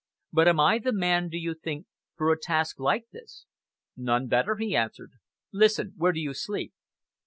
"But am I the man, do you think, for a task like this?" "None better," he answered. "Listen, where do you sleep?"